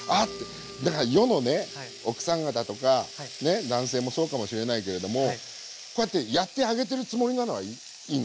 だから世のね奥さん方とか男性もそうかもしれないけれどもこうやってやってあげてるつもりなのはいいのね。